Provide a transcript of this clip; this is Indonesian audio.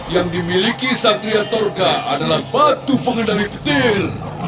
yang dimiliki satria thorga adalah batu pengendali ketil